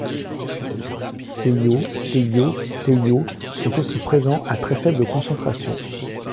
ClO, ClO, ClO sont aussi présents à très faible concentration.